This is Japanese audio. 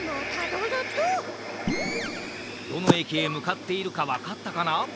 どのえきへむかっているかわかったかな？